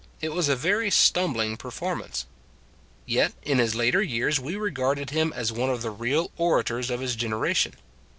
It was a very stumbling per formance. Yet, in his later years, we re garded him as one of the real orators of his generation.